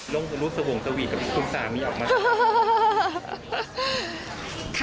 ลงรู้สวงสวีทกับคุณสามนี้ออกมาแล้วค่ะ